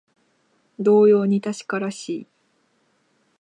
同様に確からしい